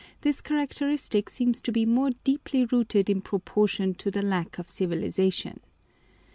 this characteristic seems to be more deeply rooted in proportion to the lack of civilization.